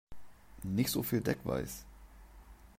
Nicht so viel Deckweiß!